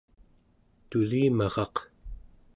tulimaraq